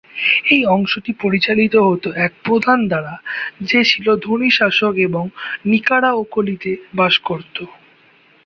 এই অংশটি পরিচালিত হত এক প্রধান দ্বারা যে ছিল ধনী শাসক এবং নিকারাওকলি-তে বাস করত।